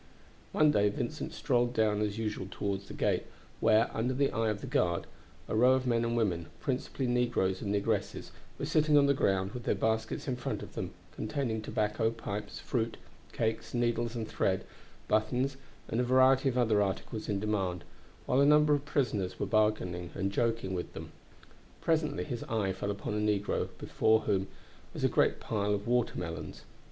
One day Vincent strolled down as usual toward the gate, where, under the eye of the guard, a row of men and women, principally negroes and negresses, were sitting on the ground with their baskets in front of them containing tobacco, pipes, fruit, cakes, needles and thread, buttons, and a variety of other articles in demand, while a number of prisoners were bargaining and joking with them. Presently his eye fell upon a negro before whom was a great pile of watermelons.